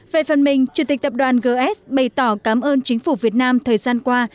về phần mình chủ tịch tập đoàn gs bày tỏ cảm ơn chính phủ việt nam thời gian qua